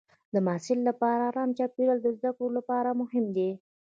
د محصل لپاره ارام چاپېریال د زده کړې لپاره مهم دی.